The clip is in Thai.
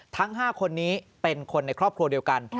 ทั้ง๕คนนี้เป็นคนในครอบครัวเดียวกัน